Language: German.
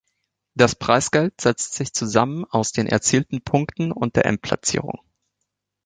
Das Preisgeld setzt sich zusammen aus den erzielten Punkten und der Endplatzierung.